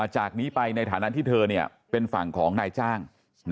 จากนี้ไปในฐานะที่เธอเป็นฝั่งของนายจ้าง